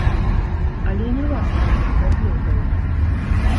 Але не варта рабіць прагнозаў.